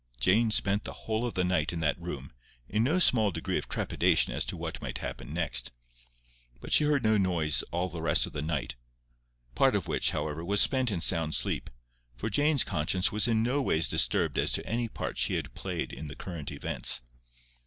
Jane spent the whole of the night in that room, in no small degree of trepidation as to what might happen next. But she heard no noise all the rest of the night, part of which, however, was spent in sound sleep, for Jane's conscience was in no ways disturbed as to any part she had played in the current events.